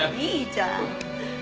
いいじゃん。